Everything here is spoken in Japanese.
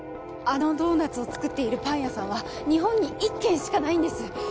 あのドーナツを作っているパン屋さんは日本に１軒しかないんです